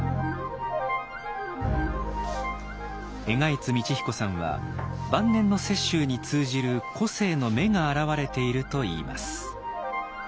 荏開津通彦さんは晩年の雪舟に通じる個性の芽が現れていると言います。